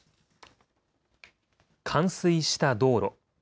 冠水した道路。